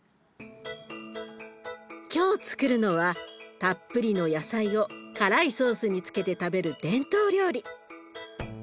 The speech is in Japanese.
今日つくるのはたっぷりの野菜を辛いソースにつけて食べる伝統料理。